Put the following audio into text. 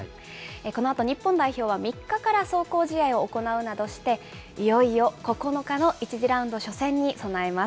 このあと日本代表は３日から壮行試合を行うなどして、いよいよ９日の１次ラウンド初戦に備えます。